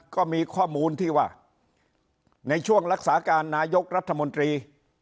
ก็มีข้อมูลที่ว่าในช่วงรักษาการนายกรัฐมนตรี